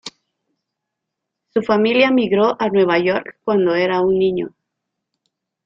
Su familia migró a Nueva York cuando era un niño.